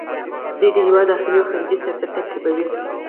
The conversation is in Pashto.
دوی د هیواد داخلي او خارجي سیاست تطبیقوي.